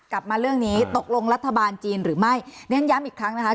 กลับมาเรื่องนี้ตกลงรัฐบาลจีนหรือไม่เน้นย้ำอีกครั้งนะคะ